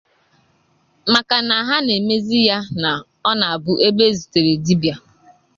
maka na ha na-emezị ya na ọ na-abụ ebe e zùtèrè dibịa